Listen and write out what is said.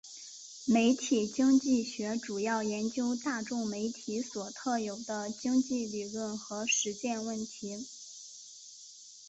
媒体经济学主要研究大众媒体所特有的经济理论和实践问题。